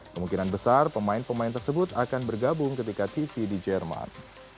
kemungkinan besar pemain pemain tersebut akan bergabung ketika tc di jerman